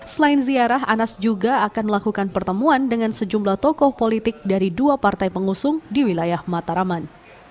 selain ziarah anas juga akan melakukan pertemuan dengan sejumlah tokoh politik dari dua partai pengusung di wilayah mataraman